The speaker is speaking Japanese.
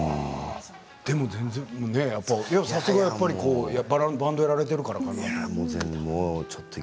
でもさすがやっぱりバンドやられているからかなと思って。